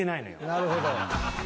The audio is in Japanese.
「なるほど」